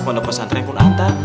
pondok pesantren pun anta